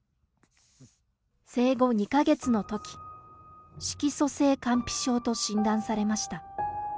生後２か月のとき、色素性乾皮症と診断されました。